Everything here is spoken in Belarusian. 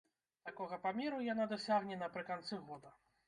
Такога памеру яна дасягне напрыканцы года.